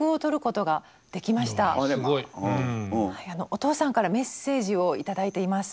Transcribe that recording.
お父さんからメッセージを頂いています。